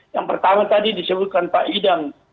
yang pertama tadi disebutkan pak idam